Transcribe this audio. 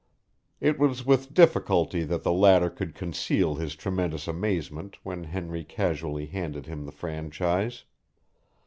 It was with difficulty that the latter could conceal his tremendous amazement when Henry casually handed him the franchise.